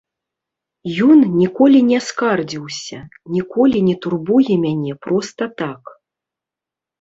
Ён ніколі не скардзіўся, ніколі не турбуе мяне проста так.